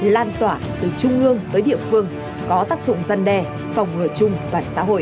lan tỏa từ trung ương tới địa phương có tác dụng dân đe phòng ngừa chung toàn xã hội